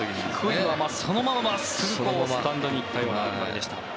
そのまま真っすぐスタンドに行ったような当たりでした。